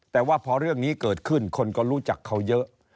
แต่ว่าพอเรื่องนี้เกิดขึ้นคนก็รู้จักเขาเยอะ